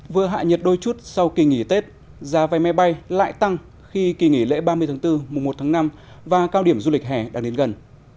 vừa hạ nhiệt đôi chút sau kỳ nghỉ tết giá vé máy bay lại tăng khi kỳ nghỉ lễ ba mươi tháng bốn mùa một tháng năm và cao điểm du lịch hè đang đến gần